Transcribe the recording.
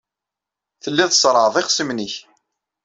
Telliḍ tṣerrɛeḍ ixṣimen-nnek.